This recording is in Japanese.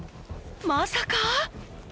まさか。